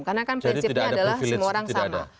karena kan prinsipnya adalah semua orang sama